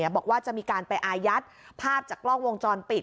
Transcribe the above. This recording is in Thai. บอกว่าจะมีการไปอายัดภาพจากกล้องวงจรปิด